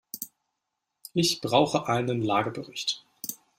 Ich brauche einen Lagebericht.